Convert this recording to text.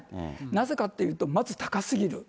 なぜかっていうと、まず高すぎる。